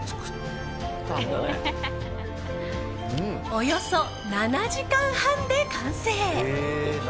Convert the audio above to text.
およそ７時間半で完成！